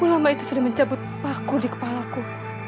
ulamanya sudah mencabut paku di kepalaku